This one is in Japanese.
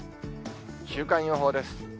週間予報です。